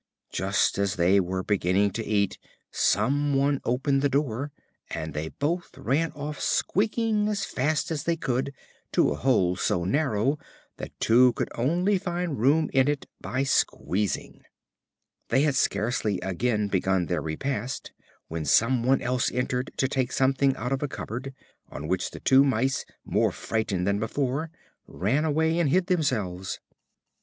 Just as they were beginning to eat, some one opened the door, and they both ran off squeaking, as fast as they could, to a hole so narrow that two could only find room in it by squeezing. They had scarcely again begun their repast when some one else entered to take something out of a cupboard, on which the two Mice, more frightened than before, ran away and hid themselves.